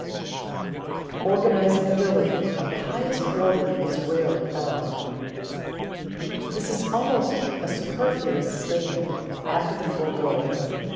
Organizing ability of the highest order is rarely found. This is almost a superfluous statement after the foregoing.